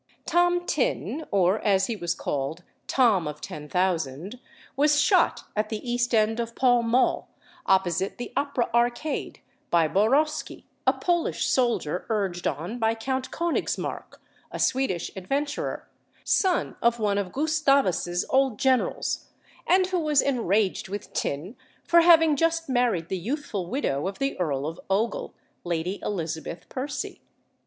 Tom Thynne, or, as he was called, "Tom of Ten Thousand," was shot at the east end of Pall Mall, opposite the Opera Arcade, by Borosky, a Polish soldier urged on by Count Königsmark, a Swedish adventurer, son of one of Gustavus's old generals, and who was enraged with Thynne for having just married the youthful widow of the Earl of Ogle, Lady Elizabeth Percy.